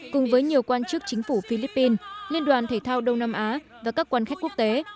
cùng với nhiều quan chức chính phủ philippines liên đoàn thể thao đông nam á và các quan khách quốc tế